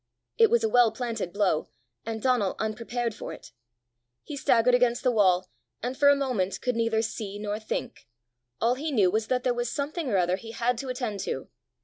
It was a well planted blow, and Donal unprepared for it. He staggered against the wall, and for a moment could neither see nor think: all he knew was that there was something or other he had to attend to.